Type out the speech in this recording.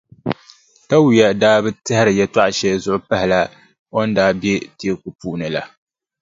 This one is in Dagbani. Tawia daa bi tɛhiri yɛltɔɣʼ shɛli zuɣu m-pahila o ni daa be teeku puuni la.